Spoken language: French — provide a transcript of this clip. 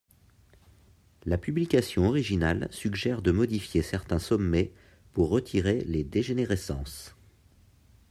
La publication originale suggère de modifier certains sommets pour retirer les dégénérescences.